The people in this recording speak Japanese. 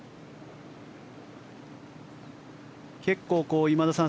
結構、今田さん